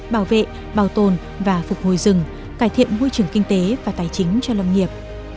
bảo vệ bảo tồn và phục hồi rừng cải thiện môi trường kinh tế và tài chính cho lâm nghiệp